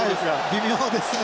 微妙ですね。